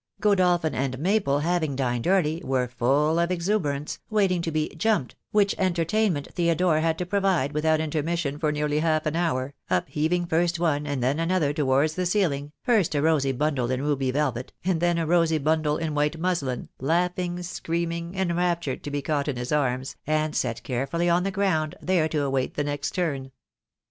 Godolphin and Mabel having dined early, were full of exuberance, waiting to be "jumped," which entertainment Theodore had to provide without intermission for nearly half an hour, upheaving first one and then another towards the ceiling, first a rosy bundle in ruby velvet, and then a rosy bundle in white muslin, laughing, screaming, en raptured, to be caught in his arms, and set carefully on the ground, there to await the next turn.